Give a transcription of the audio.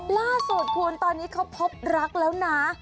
ล่าสุดคุณตอนนี้เขาพบรักแล้วนะ